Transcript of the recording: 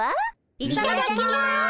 いただきます。